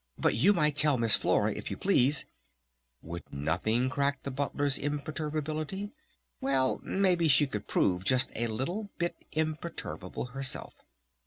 "But you might tell Miss Flora if you please "... Would nothing crack the Butler's imperturbability?... Well maybe she could prove just a little bit imperturbable herself!